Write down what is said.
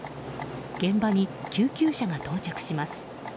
現場に救急車が到着します。